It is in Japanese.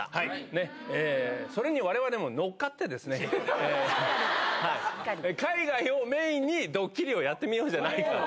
ね、それにわれわれものっかってですね、海外をメインにドッキリをやってみようじゃないかと。